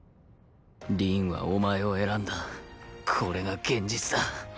凛はお前を選んだこれが現実だ。